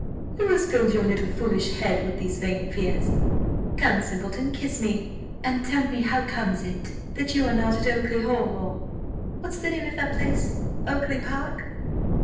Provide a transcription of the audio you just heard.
"Who has filled your little foolish head with these vain fears? Come, simpleton, kiss me, and tell me how comes it that you are not at Oakly hall, or What's the name of the place? Oakly park?"